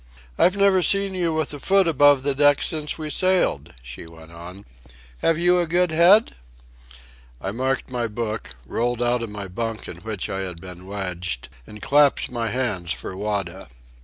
"I've never seen you with a foot above the deck since we sailed," she went on. "Have you a good head?" I marked my book, rolled out of my bunk in which I had been wedged, and clapped my hands for Wada.